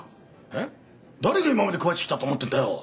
えっ誰が今まで食わしてきたと思ってるんだよ！？